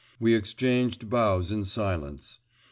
We exchanged bows in silence.